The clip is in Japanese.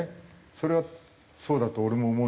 それはそうだと俺も思うんだけど。